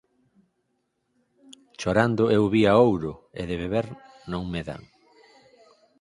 Chorando, eu vía ouro –e de beber non me dan.